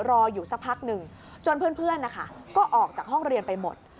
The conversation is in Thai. รออยู่สักพักหนึ่งจนเพื่อนนะคะก็ออกจากห้องเรียนไปหมด